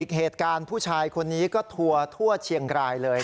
เหตุการณ์ผู้ชายคนนี้ก็ทัวร์ทั่วเชียงรายเลย